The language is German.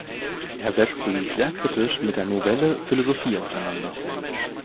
Er setzte sich sehr kritisch mit der Nouvelle Philosophie auseinander.